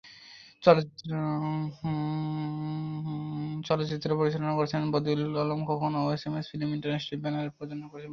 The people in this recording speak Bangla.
চলচ্চিত্র পরিচালনা করেছেন বদিউল আলম খোকন ও এসএম ফিল্ম ইন্টারন্যাশনালের ব্যানারে প্রযোজনা করেছেন মোশাররফ হোসেন তুলা।